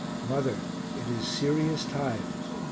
Mother, it is serious times.